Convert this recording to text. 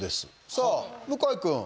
さあ向井君。